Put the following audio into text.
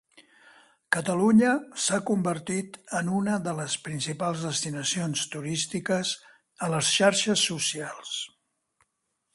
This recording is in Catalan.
Catalunya s'ha convertit en una de les principals destinacions turístiques a les xarxes socials.